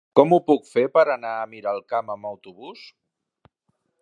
Com ho puc fer per anar a Miralcamp amb autobús?